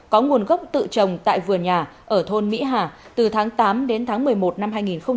có nguồn gốc tự trồng tại vườn nhà ở thôn mỹ hà từ tháng tám đến tháng một mươi một năm hai nghìn một mươi chín